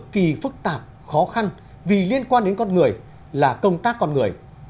kỳ phức tạp khó khăn vì liên quan đến con người là công tác con người